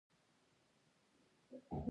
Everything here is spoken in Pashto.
علامه حبیبي د "پټه خزانه" نسخه کشف او خپره کړه.